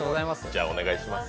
お願いします。